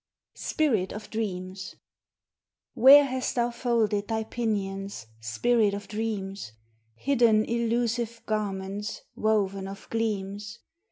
SPIRIT OF DREAMS I Where hast thou folded thy pinions, Spirit of Dreams? Hidden elusive garments Woven of gleams?